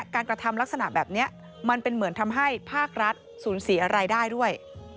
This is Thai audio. กระทำลักษณะแบบนี้มันเป็นเหมือนทำให้ภาครัฐสูญเสียอะไรได้ด้วย